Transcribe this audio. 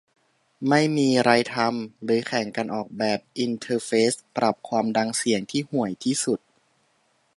ไม่มีไรทำ เลยแข่งกันออกแบบอินเทอร์เฟซปรับความดังเสียงที่ห่วยที่สุด